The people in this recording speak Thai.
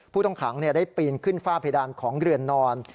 ผู้ต้องขังได้ปีนขึ้นฝ้าเพดานของเรือนนอน